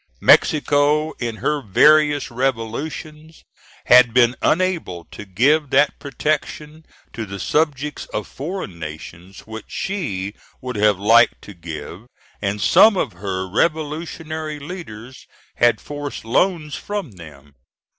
Mexico, in her various revolutions, had been unable to give that protection to the subjects of foreign nations which she would have liked to give, and some of her revolutionary leaders had forced loans from them.